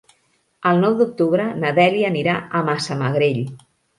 El nou d'octubre na Dèlia anirà a Massamagrell.